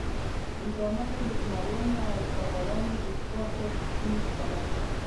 انسانانو د زمریانو او شغالانو د ښکار پاتېشوني خوړل.